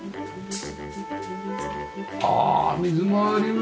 ああ水回り。